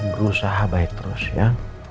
berusaha baik terus ya